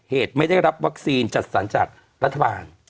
เหตุไม่ได้รับวัคซีนจัดสรรจากรัฐบาล